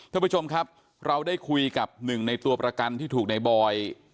ท่านผู้ชมครับเราได้คุยกับหนึ่งในตัวประกันที่ถูกในบอย